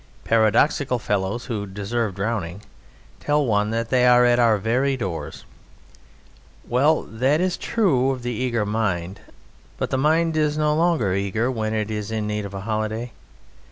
Paradoxical fellows who deserve drowning tell one that they are at our very doors. Well, that is true of the eager mind, but the mind is no longer eager when it is in need of a holiday.